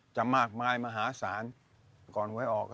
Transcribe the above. จะมากมายมหาศาลก่อนหวยออก